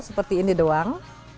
seperti ini doang